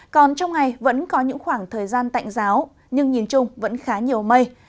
còn trong ngày vẫn có những khoảng thời gian tạnh giáo nhưng nhìn chung vẫn khá nhiều mây